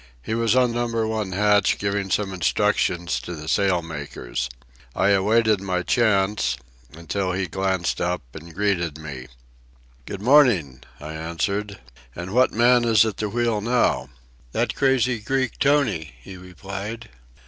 He was on Number One hatch giving some instructions to the sail makers. I awaited my chance, until he glanced up and greeted me. "Good morning," I answered. "And what man is at the wheel now?" "That crazy Greek, Tony," he replied.